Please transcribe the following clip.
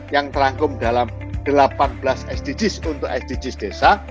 yang terangkum dalam delapan belas sdgs untuk sdgs desa